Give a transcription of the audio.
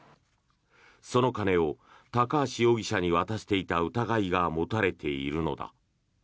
その金を高橋容疑者に渡していた疑いが持たれているのだ。